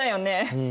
うん。